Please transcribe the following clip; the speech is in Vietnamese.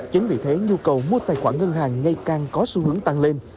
chính vì thế nhu cầu mua tài khoản ngân hàng ngày càng có xu hướng tăng lên